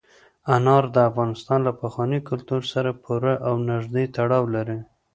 انار د افغانستان له پخواني کلتور سره پوره او نږدې تړاو لري.